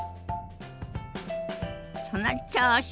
その調子！